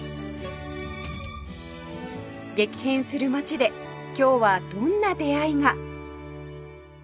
激変する街で今日はどんな出会いが